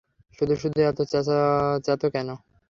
শুধুশুধু এত চ্যাঁতো কেন?